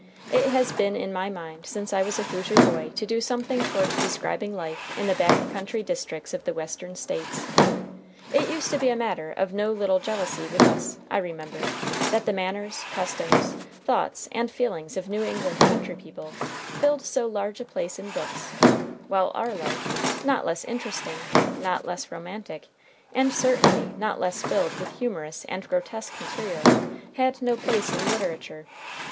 It has been in my mind since I was a Hoosier boy to do something toward describing life in the back country districts of the Western States. It used to be a matter of no little jealousy with us, I remember, that the manners, customs, thoughts, and feelings of New England country people filled so large a place in books, while our life, not less interesting, not less romantic, and certainly not less filled with humorous and grotesque material, had no place in literature.